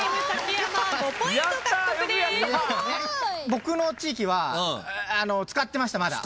僕の地域は使ってましたまだ。